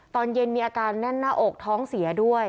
ตอนเย็นมีอาการแน่นหน้าอกท้องเสียด้วย